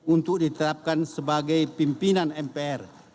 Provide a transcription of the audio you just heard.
untuk diterapkan sebagai pimpinan mpr